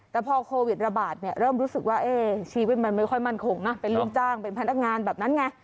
แต่พอโควิดระบาดเนี่ยเริ่มรู้สึกว่าชีวิตมันไม่ค่อยมั่นคงนะเป็นลูกจ้างเป็นพนักงานแบบนั้นไง